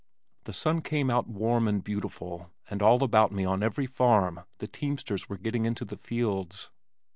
The sun came out warm and beautiful and all about me on every farm the teamsters were getting into the fields.